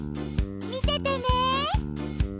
みててね！